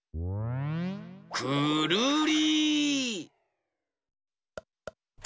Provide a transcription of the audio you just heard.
くるり！